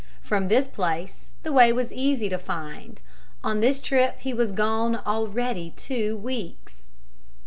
From this place the way was easy to find. On this trip he was gone already two weeks.